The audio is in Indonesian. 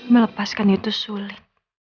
melepaskan itu sulit